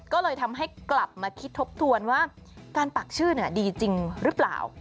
ก็เลยทำให้กลับมาคิดทบทวนว่าการปักชื่อดีจริงหรือเปล่า